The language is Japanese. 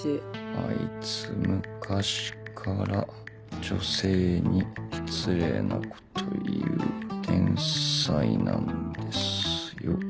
「あいつ昔から女性に失礼なこと言う天才なんですよ」。